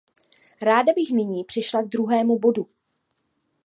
Ráda bych nyní přešla k druhému bodu.